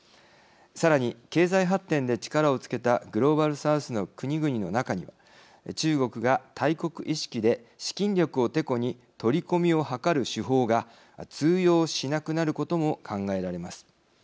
さらに経済発展で力をつけたグローバル・サウスの国々の中には中国が大国意識で資金力をてこに取り込みを図る手法が通用しなくなることも考えられます。